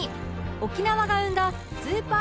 沖縄が生んだスーパー